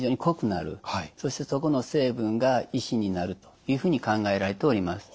そしてそこの成分が石になるというふうに考えられております。